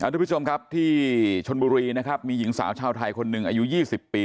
ทุกผู้ชมครับที่ชนบุรีนะครับมีหญิงสาวชาวไทยคนหนึ่งอายุ๒๐ปี